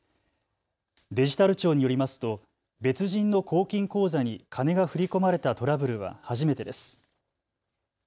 デジタル庁によりますと別人の公金口座に金が振り込まれたトラブルは初めてです。